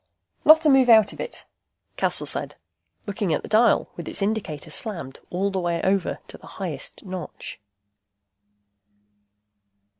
"Not a move out of it," Cassel said, looking at the dial with its indicator slammed all the way over to the highest notch.